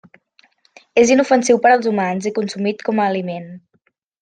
És inofensiu per als humans i consumit com a aliment.